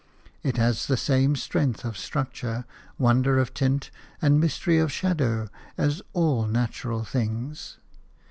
It has the same strength of structure, wonder of tint and mystery of shadow as all natural things.